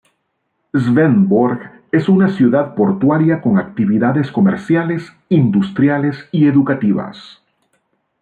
Svendborg es una ciudad portuaria con actividades comerciales, industriales y educativas.